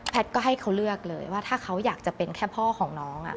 ก็ให้เขาเลือกเลยว่าถ้าเขาอยากจะเป็นแค่พ่อของน้อง